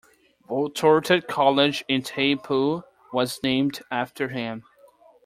Valtorta College in Tai Po was named after him.